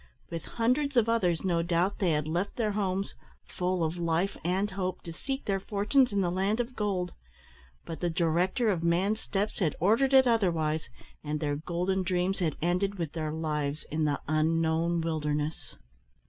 With hundreds of others, no doubt, they had left their homes, full of life and hope, to seek their fortunes in the land of gold; but the Director of man's steps had ordered it otherwise, and their golden dreams had ended with their lives in the unknown wilderness.